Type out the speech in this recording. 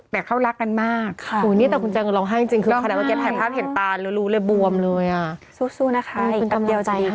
แต่เค้ารักกันมากแต่คุณแจ้งร้องไห้จริงถูกสู้นะคะ